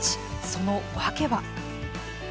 その訳は。